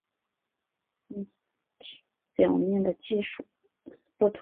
水转印是一种通过水的作用将平面印刷的图文转印至不同材质物体表面的技术。